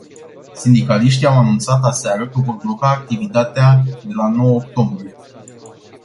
Sindicaliștii au anunțat aseară că vor bloca activitatea de la nouă octombrie.